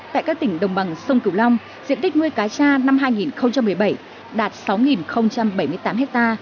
tại các tỉnh đồng bằng sông cửu long diện tích nuôi cá tra năm hai nghìn một mươi bảy đạt sáu bảy mươi tám ha